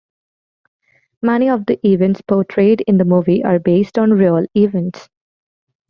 Many of the events portrayed in the movie are based on real events.